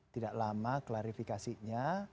tidak lama klarifikasinya